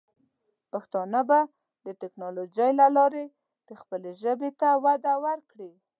پښتانه به د ټیکنالوجۍ له لارې د خپلې ژبې ته وده ورکړي.